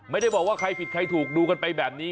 ไม่ได้บอกว่าใครผิดใครถูกดูกันไปแบบนี้